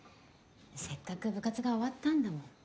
せっかく部活が終わったんだもん。